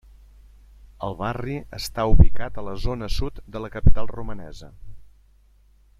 El barri està ubicat a la zona sud de la capital romanesa.